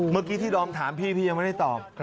เมื่อกี้ที่ดอมถามพี่พี่ยังไม่ได้ตอบ